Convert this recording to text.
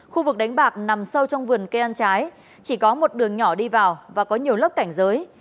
khu vực đánh bạc nằm sâu trong vườn cây ăn trái chỉ có một đường nhỏ đi vào và có nhiều lớp cảnh giới